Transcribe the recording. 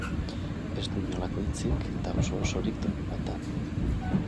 Ez du inolako hitzik eta oso-osorik doinu bat da.